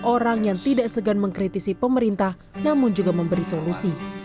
orang yang tidak segan mengkritisi pemerintah namun juga memberi solusi